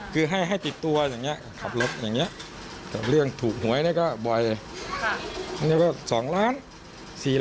เขาบอกก็ไม่แบบให้ผมเลยป้านเป็นอะไร